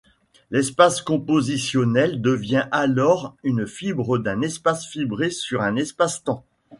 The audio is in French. L’espace compositionnel devient alors une fibre d’un espace fibré sur un espace-temps.